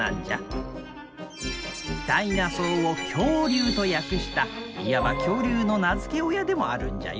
ダイナソーを恐竜と訳したいわば恐竜の名付け親でもあるんじゃよ。